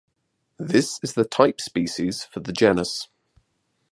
This is the type species for the genus.